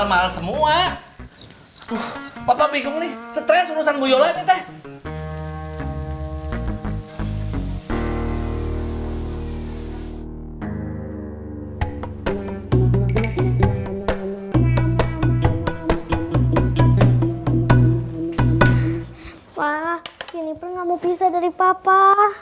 wah jeniper gak mau pisah dari papa